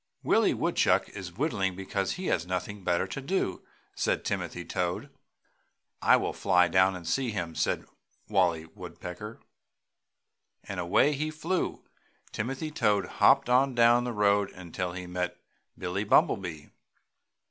"Willie Woodchuck is whittling because he has nothing better to do!" said Timothy Toad. "I will fly down and see him!" said Wallie Woodpecker, and away he flew. Timothy Toad hopped on down the road until he met Billie Bumblebee.